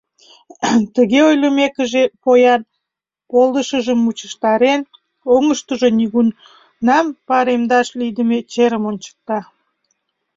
Тыге ойлымекыже, поян, полдышыжым мучыштарен, оҥыштыжо нигунам паремдаш лийдыме черым ончыкта.